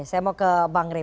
saya mau ke bang rey